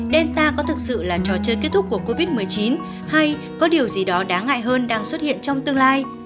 delta có thực sự là trò chơi kết thúc của covid một mươi chín hay có điều gì đó đáng ngại hơn đang xuất hiện trong tương lai